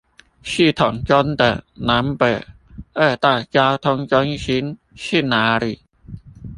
系統中的南北二大交通中心是哪裏？